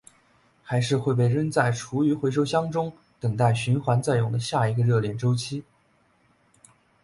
还是会被扔在厨余回收箱中等待循环再用的下一个热恋周期？